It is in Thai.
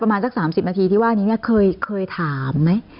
ประมาณจากสามสิบนาทีที่ว่านี้เนี้ยเคยเคยถามไหม